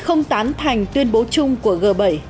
không tán thành tuyên bố chung của g bảy